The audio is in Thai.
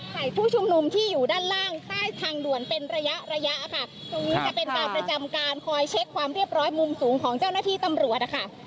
ผู้ชุมนุมที่อยู่ด้านล่างใต้ทางด่วนเป็นระยะระยะค่ะตรงนี้จะเป็นการประจำการคอยเช็คความเรียบร้อยมุมสูงของเจ้าหน้าที่ตำรวจนะคะ